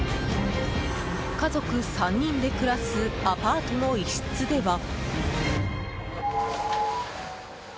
家族３人で暮らすアパートの一室では。